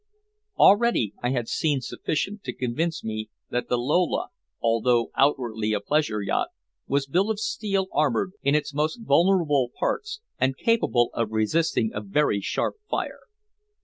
Already I had seen quite sufficient to convince me that the Lola, although outwardly a pleasure yacht, was built of steel, armored in its most vulnerable parts, and capable of resisting a very sharp fire.